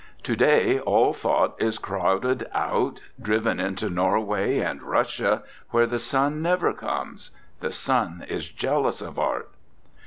To day all thought is crowded out, driven into Norway, and Russia, where the sun never comes. The sun is jealous of art."